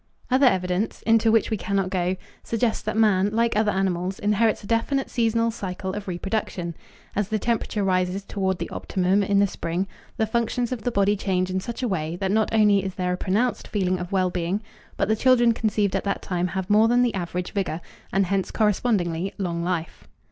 Other evidence, into which we cannot go, suggests that man, like other animals, inherits a definite seasonal cycle of reproduction. As the temperature rises toward the optimum in the spring the functions of the body change in such a way that not only is there a pronounced feeling of well being, but the children conceived at that time have more than the average vigor, and hence correspondingly long life.